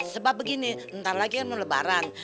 sebab begini ntar lagi kan melebaran